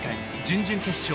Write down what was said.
準々決勝